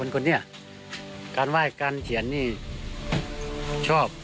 คนเนี่ยการวาดการเขียนเนี่ยชอบ